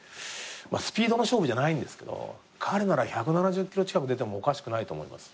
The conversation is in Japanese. スピードの勝負じゃないんですけど彼なら１７０キロ近く出てもおかしくないと思います。